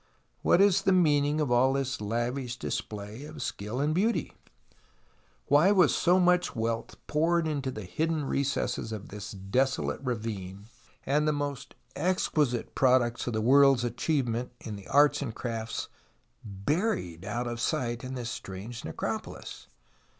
What is the meaning of all this lavish display of skill and beauty ( Why was so much wealth poured into the hidden recesses of this desolate ravine, and the most exquisite products of the world's achievement in the arts and crafts buried out of siffht in this strange necropolis